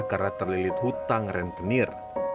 karena terlilit hutang rentenir